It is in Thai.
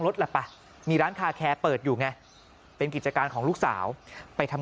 ล่ะป่ะมีร้านคาแคร์เปิดอยู่ไงเป็นกิจการของลูกสาวไปทำ